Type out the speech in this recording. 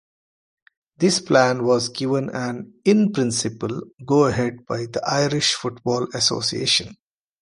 This plan was given an "in principle" go-ahead by the Irish Football Association.